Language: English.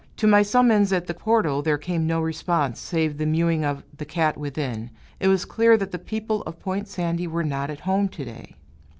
To my summons at the portal, there came no response, save the mewing of the cat within. It was clear that the people of Point Sandy were not at home, to day.